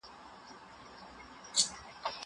زه پرون موبایل کارولی!!